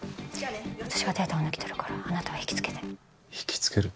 私がデータを抜き取るからあなたは引きつけて引きつける？